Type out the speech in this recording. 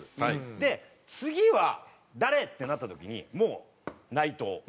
で次は誰？ってなった時に内藤。